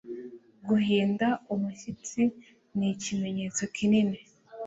guhinda umushyitsi; ni ikimenyetso kinini